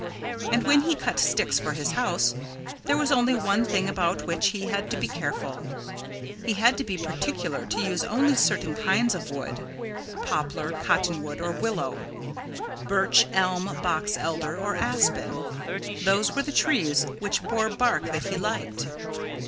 And when he cut sticks for his house there was only one thing about which he had to be careful; he had to be particular to use only certain kinds of wood. Poplar, cottonwood, or willow; birch, elm, box elder or aspen those were the trees which bore bark that he liked.